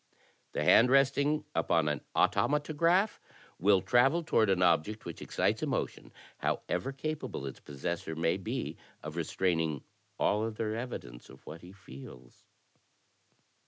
The hand resting upon an automatograph will travel toward an object which excites emotion, however capable THE DETECTIVE 85 its possessor may be of restraining all other evidence of what he feels.